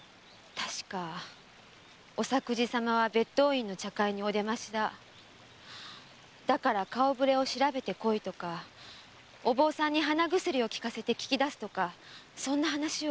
確か御作事様は別当院の茶会にお出ましだだから顔ぶれを調べてこいとかお坊さんに鼻薬をきかせて聞きだすとかそんな話を。